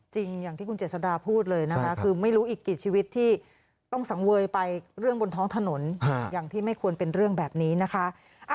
อย่างที่คุณเจษดาพูดเลยนะคะคือไม่รู้อีกกี่ชีวิตที่ต้องสังเวยไปเรื่องบนท้องถนนอย่างที่ไม่ควรเป็นเรื่องแบบนี้นะคะ